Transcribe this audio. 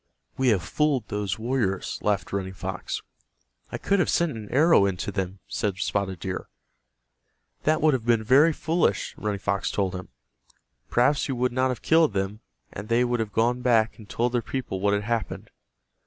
"We have fooled those warriors," laughed Running Fox. "I could have sent an arrow into them," said Spotted Deer. "That would have been very foolish," Running Fox told him. "Perhaps you would not have killed them, and they would have gone back and told their people what had happened.